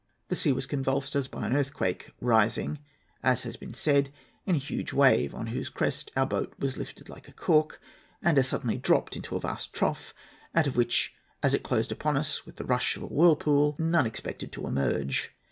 The sea was convulsed as by an earthquake, rising, as has been said, in a huge wave, on whose crest our boat was lifted like a cork, and as suddenly dropped into a vast trough, out of which as it closed upon us with the rush of a whirlpool, none expected to emerge.